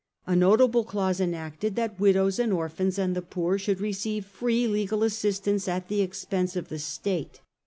A notable clause enacted that widows and orphans and the poor should receive free legal assistance at the expense of the State.